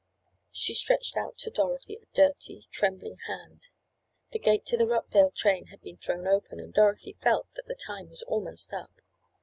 She stretched out to Dorothy a dirty, trembling hand. The gate to the Rockdale train had been thrown open, and Dorothy felt that the time was almost up.